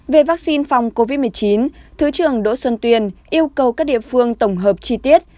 về vaccine phòng covid một mươi chín thứ trưởng đỗ xuân tuyên yêu cầu các địa phương tổng hợp chi tiết